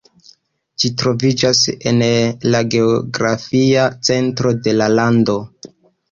Ĝi troviĝas en la geografia centro de la lando.